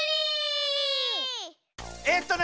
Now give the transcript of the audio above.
えっとね